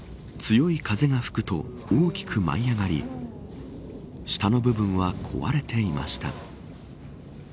強い風が吹くと大きく舞い上がり下の部分は壊れていました。